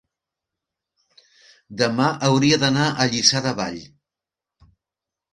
demà hauria d'anar a Lliçà de Vall.